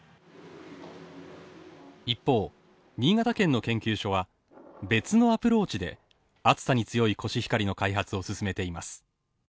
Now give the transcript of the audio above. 一方、新潟県の研究所は別のアプローチで暑さに強いコシヒカリの開発を進めています。